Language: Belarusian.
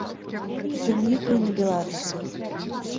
У тым ліку і на беларусах.